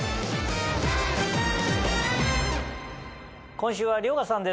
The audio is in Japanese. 今週は遼河さんです